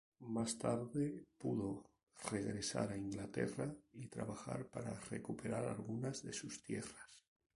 Más tarde pudo regresar a Inglaterra y trabajar para recuperar algunas de sus tierras.